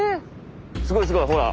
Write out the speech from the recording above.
すごいすごいほら！